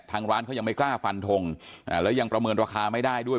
ทางร้านเขายังไม่กล้าฟันทงแล้วยังประเมินราคาไม่ได้ด้วย